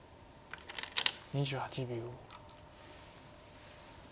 ２８秒。